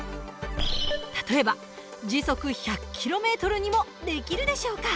例えば時速１００ｋｍにもできるでしょうか？